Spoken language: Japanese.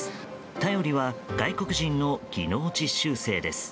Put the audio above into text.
頼りは外国人の技能実習生です。